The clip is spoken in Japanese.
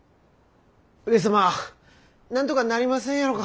上様なんとかなりませんやろか！